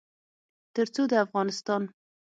تر څو د افغانستان